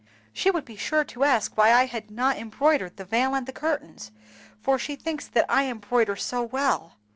She would be sure to ask why I had not embroidered the veil and the curtains, for she thinks that I embroider so well.